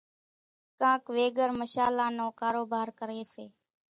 ڪانڪ ويڳر مشلان نو ڪاروڀار ڪريَ سي۔